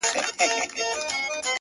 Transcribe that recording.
راځي سبا _